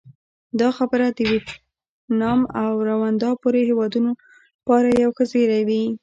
دا خبره د ویتنام او روندا پورې هېوادونو لپاره یو ښه زېری وي.